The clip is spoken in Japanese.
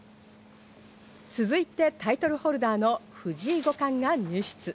続いて、タイトルホルダーの藤井五冠が入室。